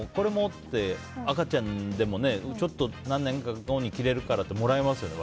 って、赤ちゃんでもちょっと何年か後に着れるからってもらいますよね。